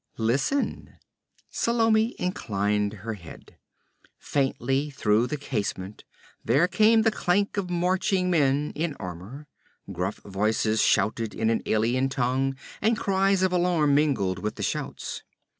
'Listen!' Salome inclined her head. Faintly through the casement there came the clank of marching men in armor; gruff voices shouted in an alien tongue, and cries of alarm mingled with the shouts.